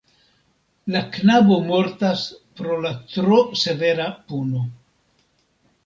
La knabo mortas pro la tro severa puno.